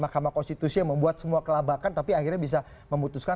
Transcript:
mahkamah konstitusi yang membuat semua kelabakan tapi akhirnya bisa memutuskan